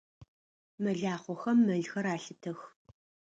Мэлахъохэм мэлхэр алъытэх.